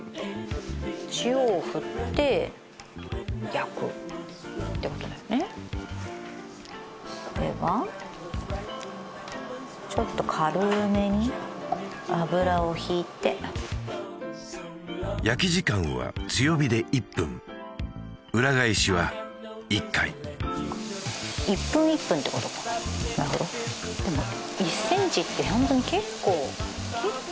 塩をふって焼くってことだよねではちょっと軽めに油をひいて焼き時間は強火で１分裏返しは１回１分１分ってことかなるほどこんなもん？